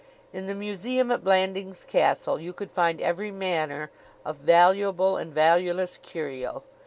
In the museum at Blandings Castle you could find every manner of valuable and valueless curio.